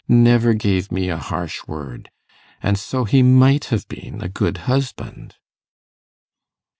'Never gave me a harsh word. And so he might have been a good husband.